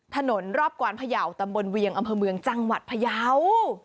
ถนนรอบกวานพระเยาทร์ตำบลเวียงอำเภอเมืองจังหวัดพระเยาทร์